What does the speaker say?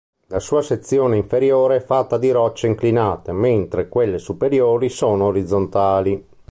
La sua sezione inferiore è fatta di rocce inclinate, mentre quelle superiori sono orizzontali.